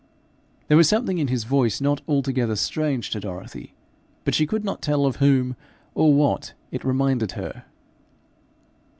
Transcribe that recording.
There was something in his voice not altogether strange to Dorothy, but she could not tell of whom or what it reminded her.